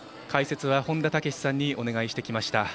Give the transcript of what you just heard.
解説は本田武史さんにお願いしてきました。